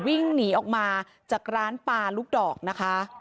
วิ่งหนีออกมาจากร้านปลาลูกดอกนะคะ